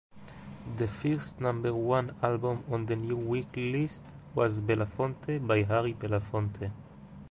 The first number-one album on the new weekly list was "Belafonte" by Harry Belafonte.